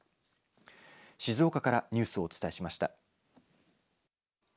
静岡からニュースをお伝えしました。